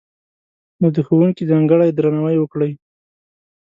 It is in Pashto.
نو، د ښوونکي ځانګړی درناوی وکړئ!